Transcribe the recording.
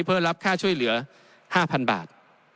เพื่อรับค่าช่วยเหลือ๕๐๐๐บาท